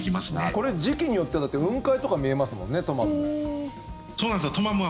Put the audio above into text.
これ、時期によっては雲海とか見えますもんねトマム。